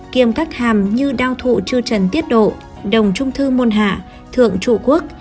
kiêm các hàm như đao thụ trư trần tiết độ đồng trung thư môn hạ thượng chủ quốc